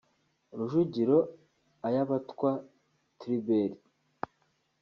Rujugiro Ayabatwa Tribert